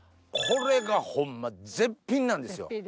これがホンマ絶品なんですよ。